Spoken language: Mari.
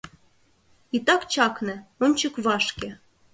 Итак чакне, ончык вашке